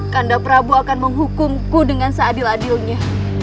karena prabu akan menghukumku dengan seadil adilnya